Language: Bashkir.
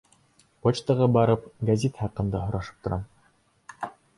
Почтаға барып, гәзит хаҡында һорашып торам.